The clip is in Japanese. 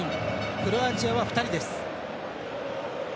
クロアチアは２人です。